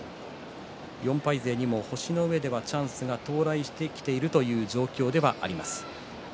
４敗勢にも星の上ではチャンスが到来してきているという状況ではあります。